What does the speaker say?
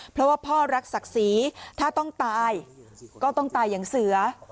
เพราะว่าพ่อรักศักดิ์ศรีถ้าต้องตายก็ต้องตายอย่างเสือ